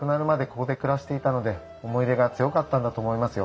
ここで暮らしていたので思い入れが強かったんだと思いますよ。